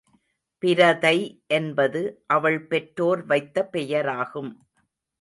பிரதை என்பது அவள் பெற்றோர் வைத்த பெயராகும்.